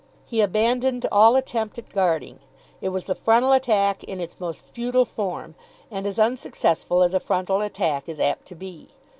He abandoned all attempt at guarding. It was the Frontal Attack in its most futile form, and as unsuccessful as a frontal attack is apt to be.